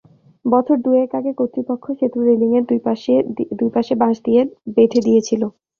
বছর দুয়েক আগে কর্তৃপক্ষ সেতুর রেলিংয়ের দুই পাশে বাঁশ দিয়ে বেঁধে দিয়েছিল।